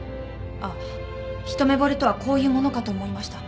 ああ一目ぼれとはこういうものかと思いました。